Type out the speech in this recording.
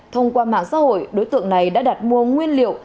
thông qua mạng xã hội đối tượng này đã đặt mua nguyên liệu